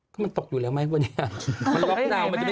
ก็มันตกอยู่แล้วไมว่ะมันหลบนะ